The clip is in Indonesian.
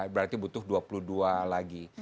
berarti butuh dua puluh dua lagi